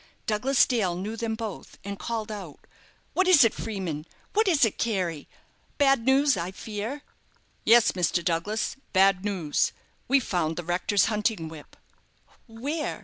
Douglas Dale knew them both, and called out, "What is it, Freeman? What is it, Carey? Bad news, I fear." "Yes, Mr. Douglas, bad news. We've found the rector's hunting whip." "Where?"